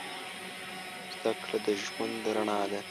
زده کړه د ژوند رڼا ده.